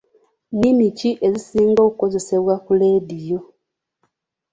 Nnimi ki ezisinga okukozesebwa ku leediyo?